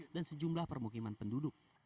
dan sejumlah permukiman penduduk